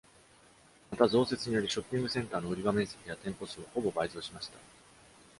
また、増設により、ショッピングセンターの売場面積や店舗数はほぼ倍増しました。